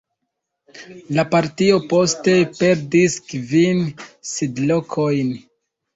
La partio poste perdis kvin sidlokojn.